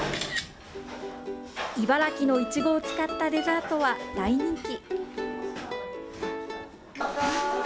茨城のイチゴを使ったデザートは大人気。